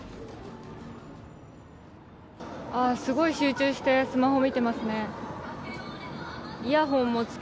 すごい集中してスマホ見てますね。